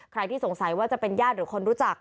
ใครที่สงสัยว่าจะเป็นญาติหรือคนรู้จัก